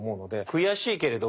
「くやしいけれど」